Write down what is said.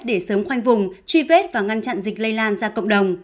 để sớm khoanh vùng truy vết và ngăn chặn dịch lây lan ra cộng đồng